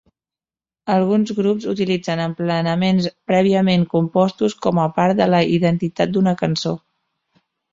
Alguns grups utilitzen emplenaments prèviament compostos com a part de la identitat d'una cançó.